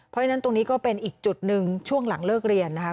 เพราะฉะนั้นตรงนี้ก็เป็นอีกจุดหนึ่งช่วงหลังเลิกเรียนนะคะ